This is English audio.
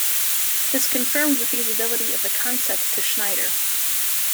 This confirmed the feasibility of the concept to Schneider.